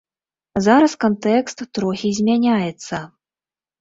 Зараз кантэкст трохі змяняецца.